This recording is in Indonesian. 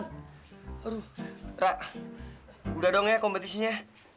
aduh rak udah dong ya kompetisinya